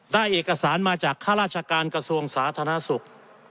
ได้เอกสารมาจากข้าราชการกระทรวงสาธารณสุข